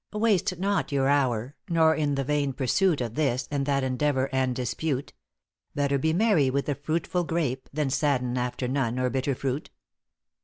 * Waste not your hour, nor in the vain pursuit Of this and that endeavor and dispute; Better be merry with the fruitful grape Than sadden after none, or bitter fruit.